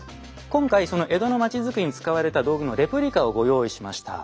今回その江戸の町づくりに使われた道具のレプリカをご用意しました。